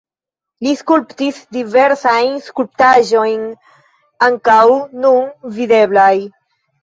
Li skulptis diversajn skulptaĵojn, ankaŭ nun videblaj.